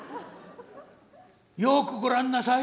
よくご覧なさい。